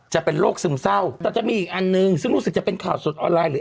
จะเป็นโรคซึมเศร้าแต่จะมีอีกอันนึงซึ่งรู้สึกจะเป็นข่าวสดออนไลน์หรือ